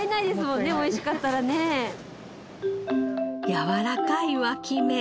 やわらかい脇芽。